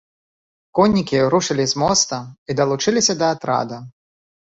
Коннікі рушылі з моста і далучыліся да атрада.